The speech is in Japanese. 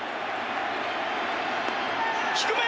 低め！